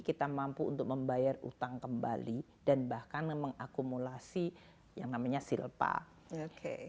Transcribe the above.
kita mampu untuk membayar utang kembali dan bahkan mengakumulasi yang namanya silpa oke